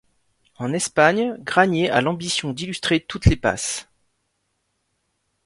En Espagne, Granier a l'ambition d'illustrer toutes les passes.